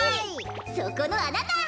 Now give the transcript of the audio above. そこのあなた！